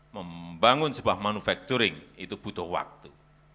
membangun sebuah manufacturing itu butuh waktu